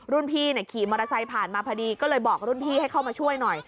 รุ่นพี่ขี่มอเตอร์ไซค์ผ่านมาพอดีก็เลยบอกรุ่นพี่ให้เข้ามาช่วยหน่อย